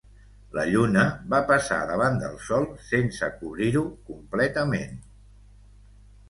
La lluna va passar davant del Sol sense cobrir-ho completament.